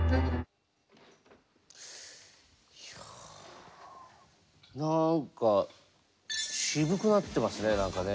いやなんか渋くなってますね何かね。